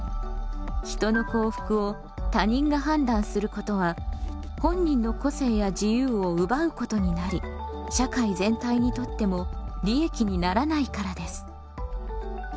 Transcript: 人の幸福を他人が判断することは本人の個性や自由を奪うことになり社会全体にとっても利益にならないからです。